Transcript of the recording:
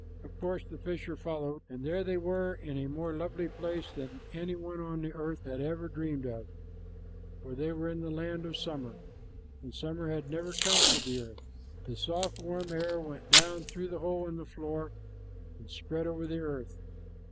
Of course the fisher followed, and there they were in a more lovely place than any one on the earth had ever dreamed of, for they were in the land of summer, and summer had never come to the earth. The soft, warm air went down through the hole in the floor and spread over the earth.